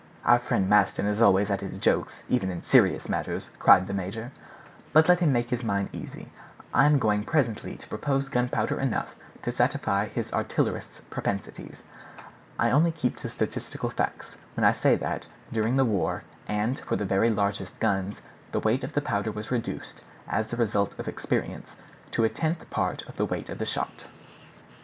"Our friend Maston is always at his jokes, even in serious matters," cried the major; "but let him make his mind easy, I am going presently to propose gunpowder enough to satisfy his artillerist's propensities. I only keep to statistical facts when I say that, during the war, and for the very largest guns, the weight of the powder was reduced, as the result of experience, to a tenth part of the weight of the shot."